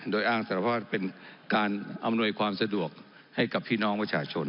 โดยอ้างแต่ว่าเป็นการอำนวยความสะดวกให้กับพี่น้องม